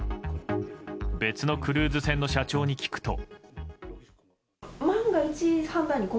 別のクルーズ船の社長に聞くと。